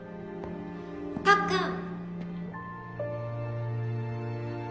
たっくん。